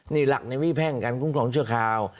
นี่หลักในวิแพ่งการคุ้มของเชื้อข่าว